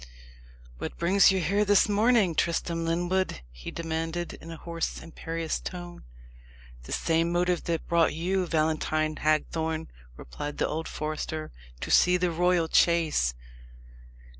"What brings you here this morning, Tristram Lyndwood?" he demanded, in a hoarse imperious tone. "The same motive that brought you, Valentine Hagthorne," replied the old forester "to see the royal chase."